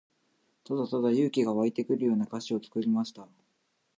ただただ勇気が湧いてくるような歌詞を作りました。